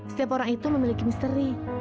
setiap orang itu memiliki misteri